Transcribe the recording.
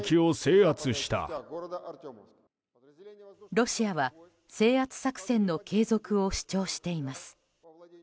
ロシアは、制圧作戦の継続を主張しています。